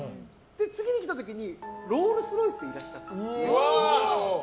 次に来た時に、ロールスロイスでいらっしゃったんです。